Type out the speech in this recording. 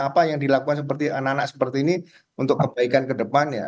apa yang dilakukan seperti anak anak seperti ini untuk kebaikan ke depannya